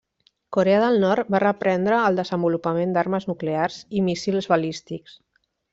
Corea del Nord va reprendre el desenvolupament d'armes nuclears i míssils balístics.